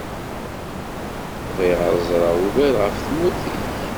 Bɣiɣ ad ẓṛeɣ ugar ɣef tmurt-ik.